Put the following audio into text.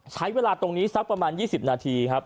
ใช้เวลาตรงนี้สักประมาณ๒๐นาทีครับ